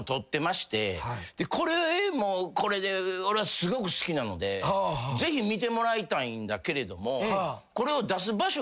でこれもこれで俺はすごく好きなのでぜひ見てもらいたいんだけれどもこれを。